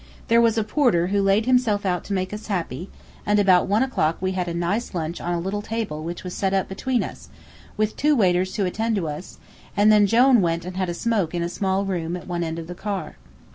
There was a porter who laid himself out to make us happy, and about one o'clock we had a nice lunch on a little table which was set up between us, with two waiters to attend to us, and then Jone went and had a smoke in a small room at one end of the car.